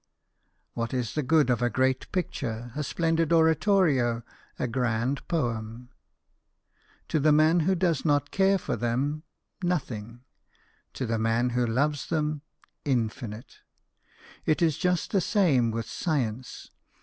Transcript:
What is the good of a great picture, a splendid oratorio, a grand poem ? To the man who does not care for them, nothing ; to the man who loves them, infinite. It is just the same with science.